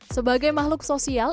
sebagai makhluk sosial interaktif